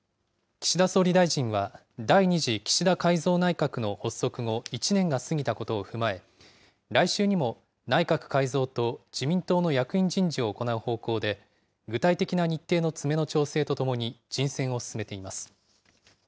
岸田総理大臣は、第２次岸田改造内閣の発足後１年が過ぎたことを踏まえ、来週にも内閣改造と自民党の役員人事を行う方向で、具体的な日程の詰めの調整とともに、人選を進めています。